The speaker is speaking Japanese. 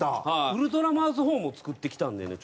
ウルトラマウスホーンも作ってきたんでね。